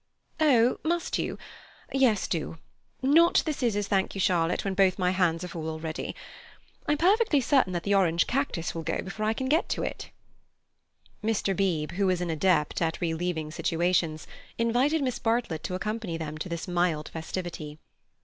"Oh, must you? Yes do.—Not the scissors, thank you, Charlotte, when both my hands are full already—I'm perfectly certain that the orange cactus will go before I can get to it." Mr. Beebe, who was an adept at relieving situations, invited Miss Bartlett to accompany them to this mild festivity.